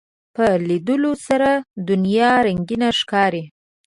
په لیدلو سره دنیا رنگینه ښکاري